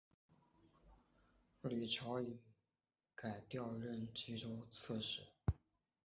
李朝隐改调任岐州刺史。